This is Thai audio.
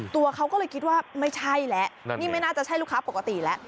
ตัวเขาก็เลยคิดว่าไม่ใช่แล้วนี่ไม่น่าจะใช่ลูกค้าปกติแล้ว